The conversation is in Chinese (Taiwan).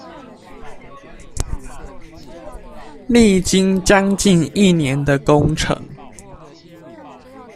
歷經將近一年的工程